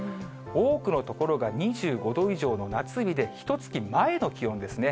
多くの所が２５度以上の夏日で、ひとつき前の気温ですね。